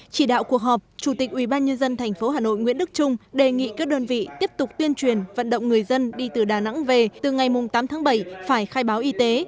chỉ đạo cuộc họp chủ tịch ubnd tp hà nội nguyễn đức trung đề nghị các đơn vị tiếp tục tuyên truyền vận động người dân đi từ đà nẵng về từ ngày tám tháng bảy phải khai báo y tế